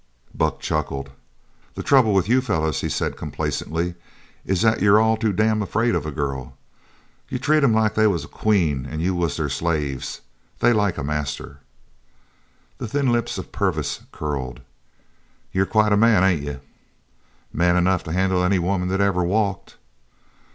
Buck chuckled. "The trouble with you fellers," he said complacently, "is that you're all too damned afraid of a girl. You all treat 'em like they was queens an' you was their slaves. They like a master." The thin lips of Purvis curled. "You're quite a man, ain't you?" "Man enough to handle any woman that ever walked."